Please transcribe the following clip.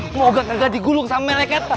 semoga kagak digulung sama mereka